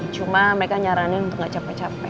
cuma mereka nyaranin untuk gak capek capek